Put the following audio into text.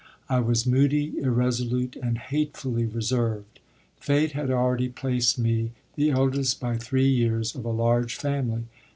I was moody, irresolute, and hatefully reserved. Fate had already placed me the eldest by three years of a large family.